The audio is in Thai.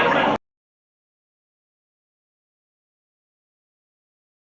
สวัสดีครับ